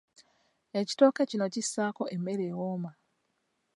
Ekitooke kino kissaako emmere ewooma.